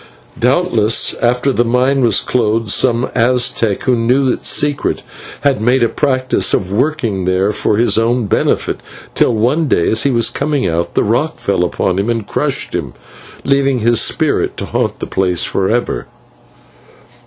Doubtless, after the mine was closed, some Aztec, who knew its secret, had made a practice of working there for his own benefit, till one day, as he was coming out, the rock fell upon him and crushed him, leaving his spirit to haunt the place for ever.